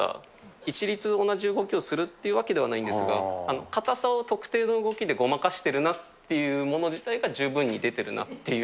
一律同じ動きをするっていうわけではないんですが、硬さを特定の動きでごまかしてるなっていうものが十分に出てるなっていう。